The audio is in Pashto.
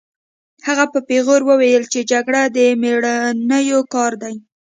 هغه په پیغور وویل چې جګړه د مېړنیو کار دی